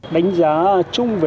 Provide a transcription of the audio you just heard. đánh giá chung về